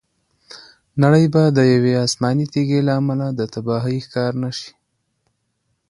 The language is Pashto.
نړۍ به د یوې آسماني تیږې له امله د تباهۍ ښکار نه شي.